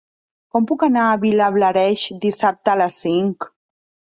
Com puc anar a Vilablareix dissabte a les cinc?